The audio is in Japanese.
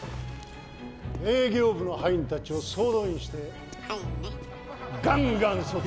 営業部の葉員たちを総動員してガンガン外回りをさせろ。